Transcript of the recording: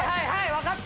わかった！